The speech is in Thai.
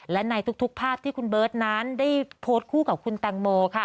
และในทุกภาพที่คุณเบิร์ตนั้นได้โพสต์คู่กับคุณแตงโมค่ะ